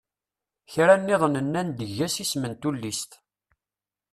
Kra nniḍen nnan-d eg-as isem n tullist.